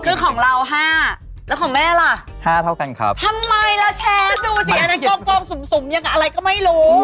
คุณแม่เคลือบแล้วจะเห็นว่ามันเป็นอ่าเห็นไหมเอ๋ย